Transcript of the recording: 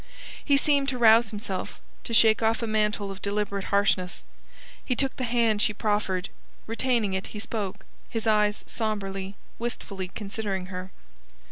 He seemed to rouse himself, to shake off a mantle of deliberate harshness. He took the hand she proffered. Retaining it, he spoke, his eyes sombrely, wistfully considering her.